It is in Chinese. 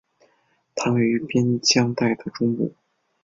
它位于边疆带的中部。